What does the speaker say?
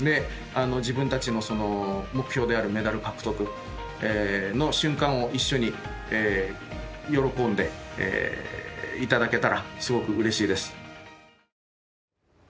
自分たちの目標であるメダル獲得の瞬間を一緒に喜んでいただけたらすごくうれしいです。